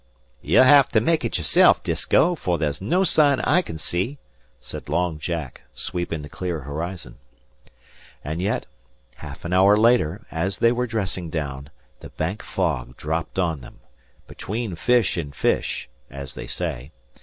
"Ye'll have to make it yourself, Disko, for there's no sign I can see," said Long Jack, sweeping the clear horizon. And yet, half an hour later, as they were dressing down, the Bank fog dropped on them, "between fish and fish," as they say.